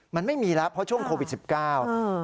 มันไม่มีแล้วเพราะช่วงโควิดสิบเก้า